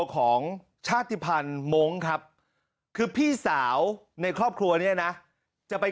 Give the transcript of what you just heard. ของชาติภัณฑ์มงค์ครับคือพี่สาวในครอบครัวเนี่ยนะจะไป